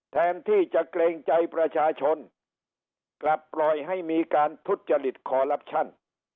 แทนที่จะเกรงใจประชาชนกลับปล่อยให้มีการทุจริตคอลลับชั่น